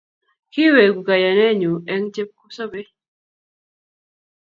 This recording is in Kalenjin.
ki iweku kayanenyu eng chepkusobei